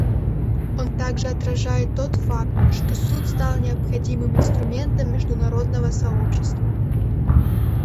Он также отражает тот факт, что Суд стал необходимым инструментом международного сообщества.